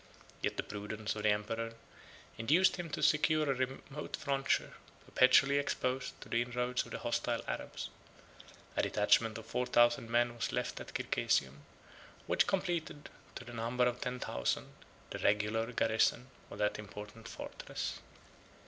Yet the prudence of the emperor induced him to secure a remote frontier, perpetually exposed to the inroads of the hostile Arabs. A detachment of four thousand men was left at Circesium, which completed, to the number of ten thousand, the regular garrison of that important fortress.